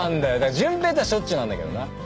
潤平とはしょっちゅうなんだけどな。